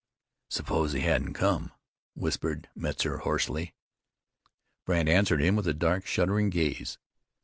"Suppose he hadn't come?" whispered Metzar hoarsely. Brandt answered him with a dark, shuddering gaze.